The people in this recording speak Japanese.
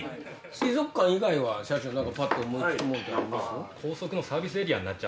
水族館以外は社長ぱっと思い付くもんあります？